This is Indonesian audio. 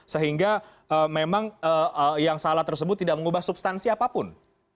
sehingga memang yang salah tersebut tidak mengubah substansi apapun